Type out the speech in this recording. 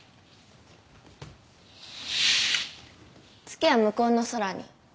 月は向こうの空に。